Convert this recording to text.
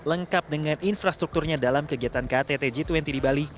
lengkap dengan infrastrukturnya dalam kegiatan ktt g dua puluh di bali